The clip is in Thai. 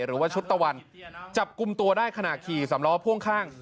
หรือว่าชุดตะวันจับกลุ่มตัวได้ขณะขี่สำล้อพ่วงข้าง